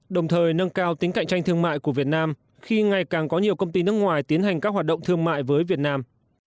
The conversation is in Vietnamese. đồng thời nâng cao tính cạnh tranh thương mại của việt nam khi ngày càng có nhiều công ty nước ngoài tiến hành các hoạt động thương mại với việt nam